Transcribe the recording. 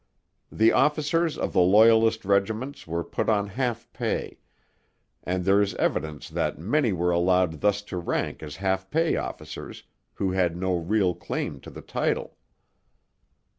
The officers of the Loyalist regiments were put on half pay; and there is evidence that many were allowed thus to rank as half pay officers who had no real claim to the title.